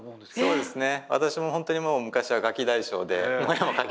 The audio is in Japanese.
そうですね。